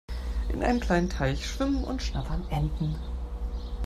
In einem kleinen Teich schwimmen und schnattern Enten.